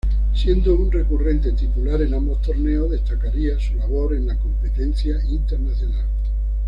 Siendo un recurrente titular en ambos torneos, destacaría su labor en la competencia internacional.